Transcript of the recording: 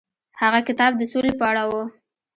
هغه کتاب د سولې په اړه و.